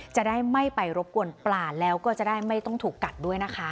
จะได้ไม่ไปรบกวนปลาแล้วก็จะได้ไม่ต้องถูกกัดด้วยนะคะ